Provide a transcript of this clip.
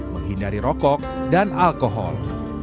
menghindari rokok dan alkohol